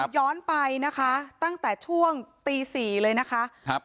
ย้อนไปนะคะตั้งแต่ช่วงตี๔เลยนะคะ